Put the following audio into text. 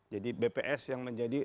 jadi bps yang menjadi